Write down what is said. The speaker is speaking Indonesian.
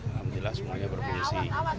alhamdulillah semuanya berfungsi